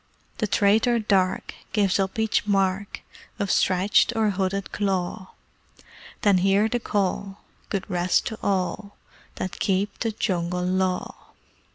The traitor Dark gives up each mark Of stretched or hooded claw; Then hear the Call: "Good rest to all That keep the Jungle Law!"